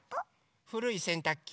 ふるいせんたくき？